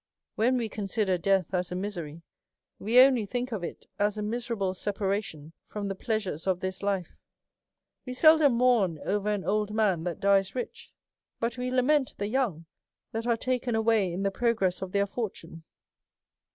" When we consider death as a misery, we only think of it as a miserable separation from the plea sures of this life. AVe seldom mourn over an old man that dies rich ; but we lament the young that are taken away in the progress of their fortune.